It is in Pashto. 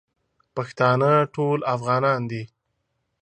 پښتانه ټول افغانان دی